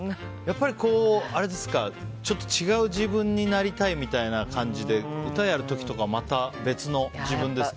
ちょっと違う自分になりたいみたいな感じで歌やる時とかまた別の自分ですか？